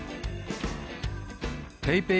ＰａｙＰａｙ